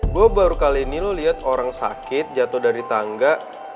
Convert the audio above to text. gue baru kali ini lo lihat orang sakit jatuh dari tangga